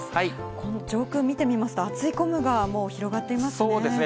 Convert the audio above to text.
この上空見てみますと、厚い雲がもう広がっていますね。